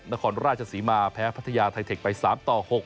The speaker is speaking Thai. นครราชศรีมาแพ้พัทยาไทเทคไป๓ต่อ๖